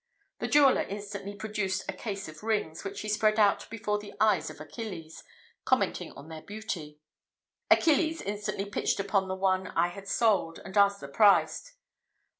The jeweller instantly produced a case of rings, which he spread out before the eyes of Achilles, commenting on their beauty. Achilles instantly pitched upon the one I had sold, and asked the price.